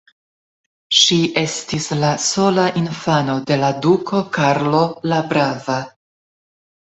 Ŝi estis la sola infano de la duko Karlo la brava.